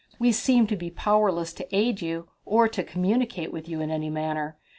We seemed to be powerless to aid you or to communicate with you in any manner.